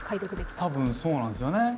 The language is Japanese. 多分そうなんすよね。